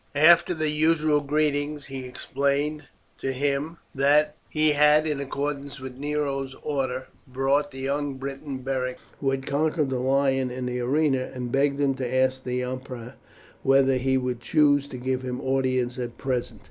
After the usual greetings he explained to him that he had, in accordance with Nero's order, brought the young Briton, Beric, who had conquered the lion in the arena, and begged him to ask the emperor whether he would choose to give him audience at present.